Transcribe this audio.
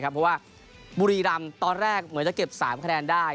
เพราะว่าบุรีรำตอนแรกเหมือนจะเก็บ๓คะแนนได้